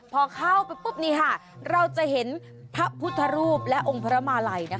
พอเข้าไปปุ๊บนี่ค่ะเราจะเห็นพระพุทธรูปและองค์พระมาลัย